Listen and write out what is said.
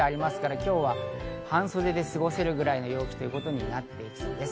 今日は半袖で過ごせるぐらいの陽気ということになっていきそうです。